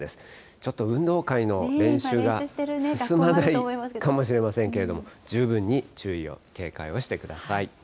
ちょっと運動会の練習が進まないかもしれませんけれども、十分に注意を、警戒をしてください。